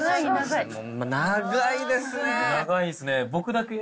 長いですね。